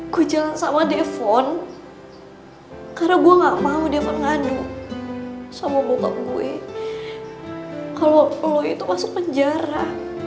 gue jalan sama devon karena gue nggak mau devon ngadu sama bokap gue kalau lu itu masuk penjara